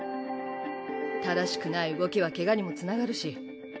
正しくない動きはケガにもつながるし。